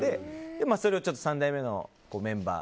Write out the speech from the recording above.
それを三代目のメンバー